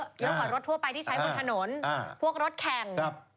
เยอะกว่ารถทั่วไปที่ใช้บนถนนพวกรถแข่ง